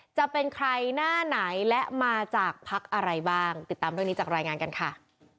จะเป็นใครหน้าไหนและมาจากพักอะไรบ้างติดตามเรื่องนี้จากรายงานกันค่ะ